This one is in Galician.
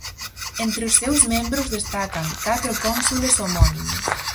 Entre os seus membros destacan catro cónsules homónimos.